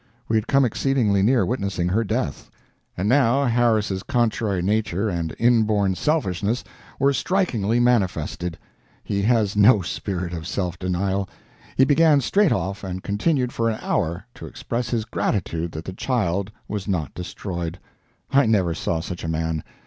We had come exceedingly near witnessing her death. And now Harris's contrary nature and inborn selfishness were strikingly manifested. He has no spirit of self denial. He began straight off, and continued for an hour, to express his gratitude that the child was not destroyed. I never saw such a man.